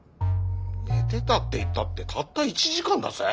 寝てたっていったってたった１時間だぜ？